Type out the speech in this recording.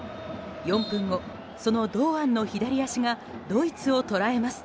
４分後、その堂安の左足がドイツを捉えます。